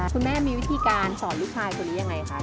คุณแม่ของพิธีกรคุณพรีมนัทครับ